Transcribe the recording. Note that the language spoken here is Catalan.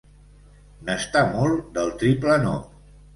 N'està molt, del triple no.